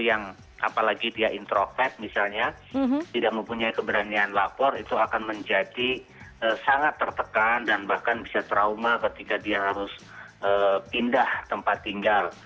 yang apalagi dia introvert misalnya tidak mempunyai keberanian lapor itu akan menjadi sangat tertekan dan bahkan bisa trauma ketika dia harus pindah tempat tinggal